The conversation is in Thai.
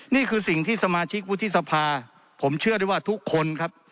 นี่คือสิ่งที่สมาชิกวุฒิสภาผมเชื่อได้ว่าทุกคนครับ